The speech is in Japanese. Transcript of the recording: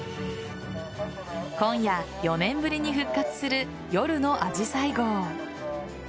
今夜４年ぶりに復活する夜のあじさい号。